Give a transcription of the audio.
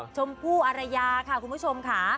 ชมพู่อารยาค่ะคุณผู้ชมค่ะ